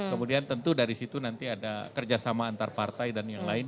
kemudian tentu dari situ nanti ada kerjasama antar partai dan yang lain